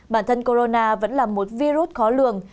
bản thân corona vẫn là một virus khó lường